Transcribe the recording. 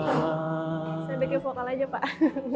saya bikin vokal aja pak